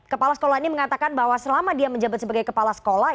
kepala sekolah ini mengatakan bahwa selama dia menjabat sebagai kepala sekolah